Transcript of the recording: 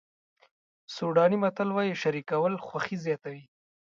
سوډاني متل وایي شریکول خوښي زیاتوي.